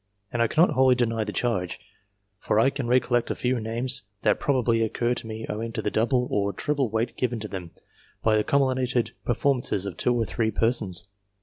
And I cannot wholly deny the charge, for I can recollect a few names that probably occurred to me owing to the double or treble weight given to them, by the cumulated perform ances of two or three persons.